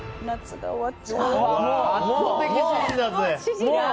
圧倒的支持だぜ。